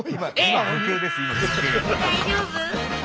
大丈夫？